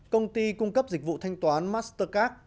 công ty cung cấp dịch vụ thanh toán mastercard